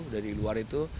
dari luar itu